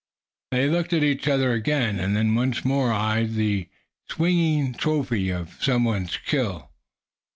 They looked at each other again, and then once more eyed the swinging trophy of some one's skill.